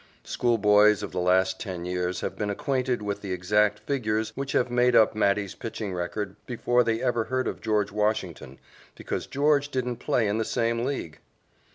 Schoolboys of the last ten years have been acquainted with the exact figures which have made up Matty's pitching record before they had ever heard of George Washington, because George didn't play in the same League.